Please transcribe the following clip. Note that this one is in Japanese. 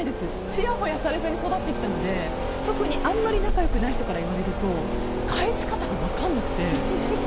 ちやほやされずに育ってきたので特に、あんまり仲良くない人から言われると返し方が分からなくて。